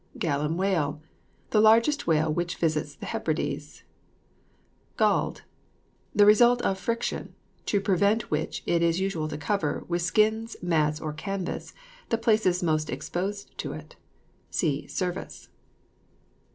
GALLAN WHALE. The largest whale which visits the Hebrides. GALLED. The result of friction, to prevent which it is usual to cover, with skins, mats, or canvas, the places most exposed to it. (See SERVICE.)